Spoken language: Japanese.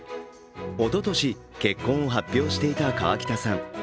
おととし結婚を発表していた河北さん。